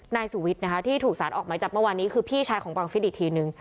นายสุวิทย์นะคะที่ถูกสารออกหมายจับเมื่อวานนี้คือพี่ชายของบังฟิศอีกทีนึง